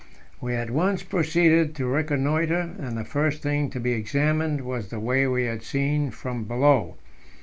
We at once proceeded to reconnoitre, and the first thing to be examined was the way we had seen from below.